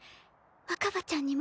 若葉ちゃんにも。